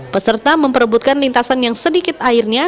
peserta memperebutkan lintasan yang sedikit airnya